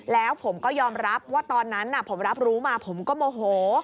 แล้วผมก็ยอมรับว่าตอนนั้นผมรับรู้มาผมก็โมโห